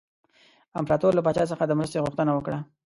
امپراطور له پاچا څخه د مرستې غوښتنه وکړه.